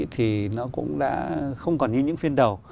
thì nó cũng đã không còn như những phiên đầu